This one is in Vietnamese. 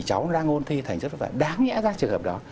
cháu đang ôn thi thành rất là đáng nhẽ ra trường hợp đó